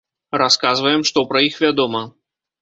Расказваем, што пра іх вядома.